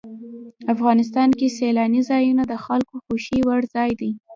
افغانستان کې سیلاني ځایونه د خلکو خوښې وړ ځای دی.